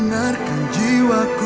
mari saya bantu